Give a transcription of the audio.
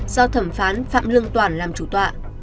do thẩm phán phạm lương toản làm chủ tọa